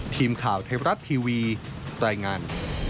ทีมข่าวไทยรัฐทีวีรายงาน